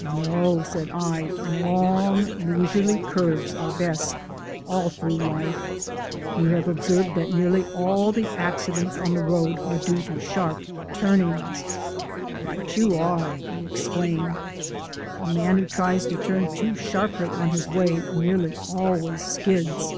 "No," said I, "long, leisurely curves are best all through life. You have observed that nearly all the accidents on the road are due to sharp turnings." "Right you are!" he exclaimed. "A man who tries to turn too sharply on his way nearly always skids."